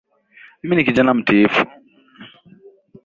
Mimi ni kijana mtiifu